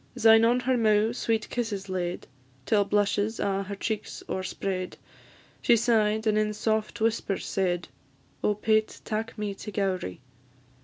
Syne on her mou' sweet kisses laid, Till blushes a' her cheeks o'erspread; She sigh'd, and in soft whispers said, "Oh, Pate, tak me to Gowrie!"